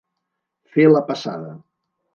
Fer la passada.